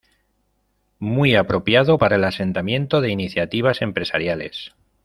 Muy apropiado para el asentamiento de iniciativas empresariales.